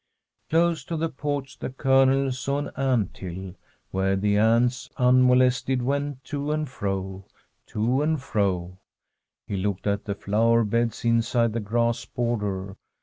Close to the porch the Colonel saw an ant hill, where the ants, unmolested, went to and fro — ^to and fro. He looked at the flower beds inside the grass border.